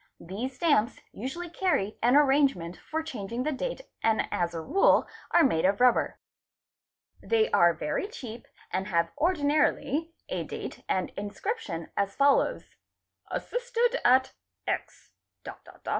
'These stamps usually carry an arrange ~ ment for changing the date and as a rule are made of rubber. They are very cheap and have ordinarily a date and inscription as follows :—_ Assisted at X....the.........